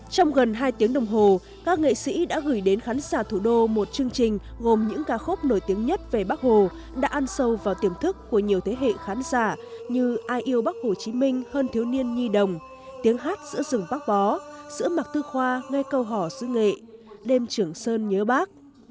trong gần hai tiếng đồng hồ các nghệ sĩ đã gửi đến khán giả thủ đô một chương trình gồm những ca khúc nổi tiếng nhất về bắc hồ đã ăn sâu vào tiềm thức của nhiều thế hệ khán giả như ai yêu bắc hồ chí minh hơn thiếu niên nhi đồng tiếng hát giữa rừng bắc bó giữa mặc tư khoa nghe câu hỏi xứ nghệ đêm trưởng sơn nhớ bắc